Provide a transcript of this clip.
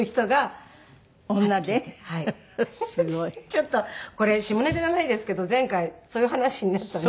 ちょっとこれ下ネタじゃないですけど前回そういう話になったので。